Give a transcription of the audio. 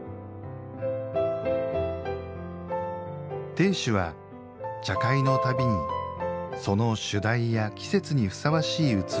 亭主は茶会の度にその主題や季節にふさわしい器を用意。